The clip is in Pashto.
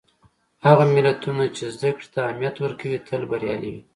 هغه ملتونه چې زدهکړې ته اهمیت ورکوي، تل بریالي وي.